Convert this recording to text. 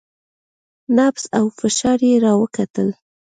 نبض او فشار يې راوکتل.